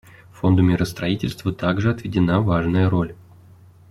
Фонду миростроительства также отведена важная роль.